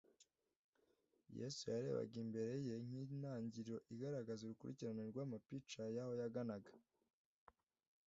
Yesu yarebaga imbere ye nk'intangiriro igaragaza urukurikirane rw'amapica y'aho yaganaga.